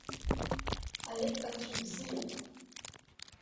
Алеқторцәа бзиоуп.